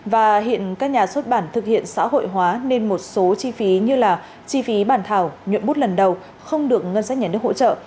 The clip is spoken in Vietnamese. và hiện các nhà xuất bản thực hiện xã hội hóa nên một số chi phí như là chi phí bản thảo nhuận bút lần đầu không được ngân sách nhà nước hỗ trợ